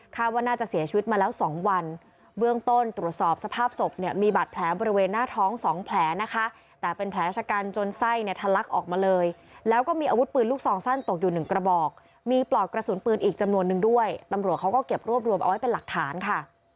ว่าน่าจะเสียชีวิตมาแล้วสองวันเบื้องต้นตรวจสอบสภาพศพเนี่ยมีบาดแผลบริเวณหน้าท้องสองแผลนะคะแต่เป็นแผลชะกันจนไส้เนี่ยทะลักออกมาเลยแล้วก็มีอาวุธปืนลูกซองสั้นตกอยู่หนึ่งกระบอกมีปลอกกระสุนปืนอีกจำนวนนึงด้วยตำรวจเขาก็เก็บรวบรวมเอาไว้เป็นหลักฐานค่ะ